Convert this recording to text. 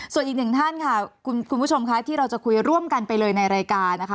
ส่วนอีกหนึ่งท่านค่ะคุณผู้ชมค่ะที่เราจะคุยร่วมกันไปเลยในรายการนะคะ